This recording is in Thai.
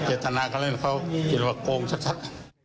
จรินากันแล้วยินว่าเขาโกงชัด